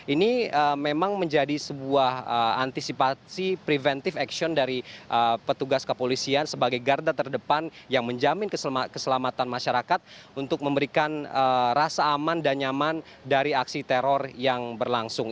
ini memang menjadi sebuah antisipasi preventive action dari petugas kepolisian sebagai garda terdepan yang menjamin keselamatan masyarakat untuk memberikan rasa aman dan nyaman dari aksi teror yang berlangsung